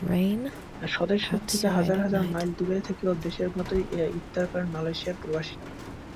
স্বদেশ থেকে হাজার-হাজার মাইল দূরে থেকেও দেশের মতোই ইফতার করেন মালয়েশিয়ায় প্রবাসীরা।